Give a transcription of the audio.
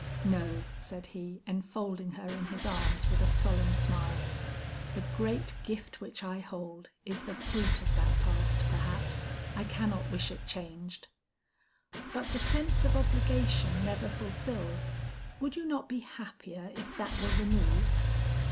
"No," said he, enfolding her in his arms with a solemn smile. "The great gift which I hold is the fruit of that past, perhaps; I cannot wish it changed." "But the sense of obligation never fulfilled, would you not be happier if that were removed?"